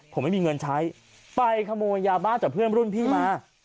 ผมไม่มีเงินใช้ไปขโมยยาบ้าจากเพื่อนรุ่นพี่มา